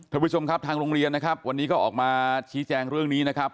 ท่านผู้ชมครับทางโรงเรียนนะครับวันนี้ก็ออกมาชี้แจงเรื่องนี้นะครับ